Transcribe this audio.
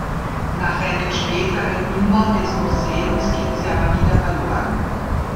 Nach einem späteren Umbau des Museums ging sie aber wieder verloren.